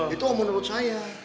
itu menurut saya